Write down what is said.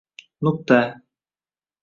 Nuqta